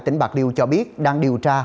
tỉnh bạc liêu cho biết đang điều tra